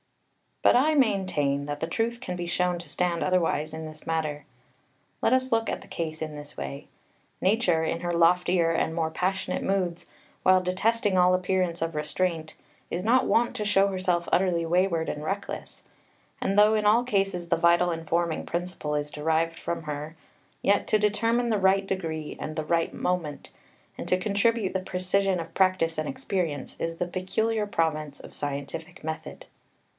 2 But I maintain that the truth can be shown to stand otherwise in this matter. Let us look at the case in this way; Nature in her loftier and more passionate moods, while detesting all appearance of restraint, is not wont to show herself utterly wayward and reckless; and though in all cases the vital informing principle is derived from her, yet to determine the right degree and the right moment, and to contribute the precision of practice and experience, is the peculiar province of scientific method.